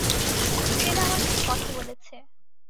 Stella আমার সাথে কথা বলেছে।